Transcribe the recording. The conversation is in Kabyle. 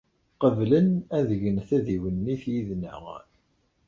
Qeblen ad gen tadiwennit yid-neɣ.